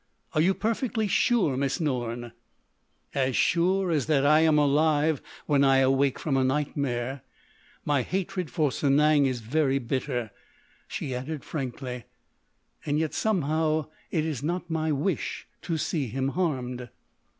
"Are you perfectly sure, Miss Norne?" "As sure as that I am alive when I awake from a nightmare. My hatred for Sanang is very bitter," she added frankly, "and yet somehow it is not my wish to see him harmed."